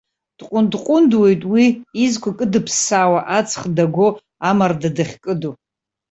Дҟәындҟәындуеит уи, изқәа кыдыԥсаауа аҵх дагәо амарда дахькыду.